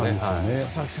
佐々木さん